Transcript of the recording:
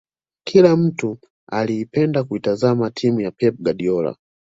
Kila mtu aliipenda kuitazama timu ya pep guardiola